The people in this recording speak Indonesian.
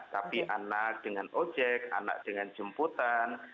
tapi anak dengan ojek anak dengan jemputan